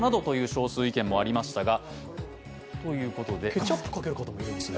ケチャップかける方もいるんですね。